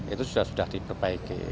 itu sudah sudah diperbaiki